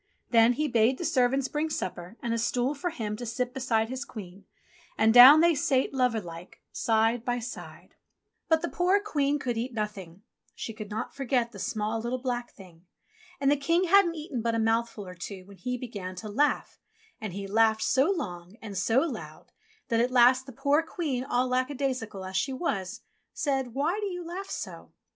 Then he bade the servants bring supper, and a stool for him to sit beside his Queen, and down they sate lover like, side by side. But the poor Queen could eat nothing ; she could not for get the small, little, black Thing. And the King hadn't eaten but a mouthful or two when he began to laugh, and TOM TIT TOT 35 he laughed so long and so loud that at last the poor Queen, all lackadaisical as she was, said : "Why do you laugh so